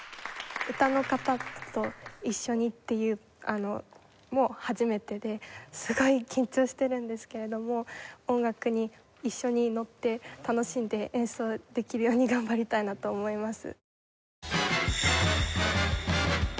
歌の方と一緒にっていうのも初めてですごい緊張してるんですけれども音楽に一緒にのって楽しんで演奏できるように頑張りたいなと思います。